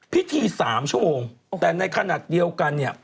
พิธี๓ชั่วโมงแต่ในขณะเดียวกันเนี่ย